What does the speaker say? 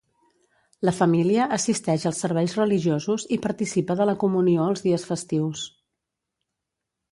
La família assisteix als serveis religiosos i participa de la comunió els dies festius.